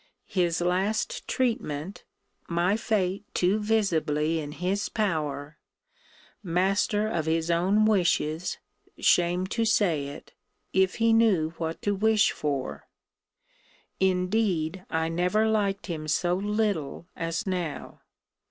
His last treatment my fate too visibly in his power master of his own wishes, [shame to say it,] if he knew what to wish for. Indeed I never liked him so little as now.